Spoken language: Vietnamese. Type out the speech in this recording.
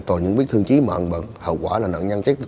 còn những viết thương chí mạng và hậu quả là nặng nhăn chết